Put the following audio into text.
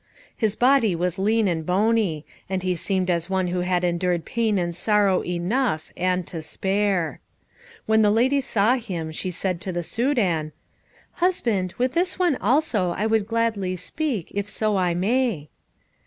His body was lean and bony, and he seemed as one who had endured pain and sorrow enough, and to spare. When the lady saw him she said to the Soudan, "Husband, with this one also would I gladly speak, if so I may."